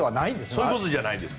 そういうことじゃないです。